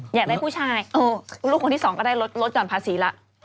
อยากได้ผู้ชายลูกคนที่สองก็ได้ลดหย่อนภาษีแล้ว